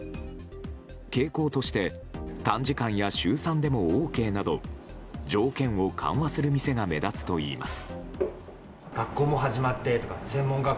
傾向として短時間や週３でもＯＫなど条件を緩和する店が目立つといいます。